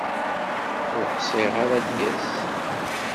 Ur ḥṣiɣ ara ad d-yas.